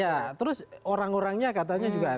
ya terus orang orangnya katanya juga ada